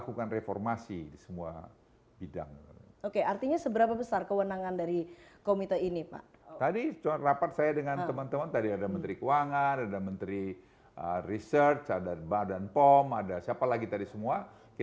kita buat polisi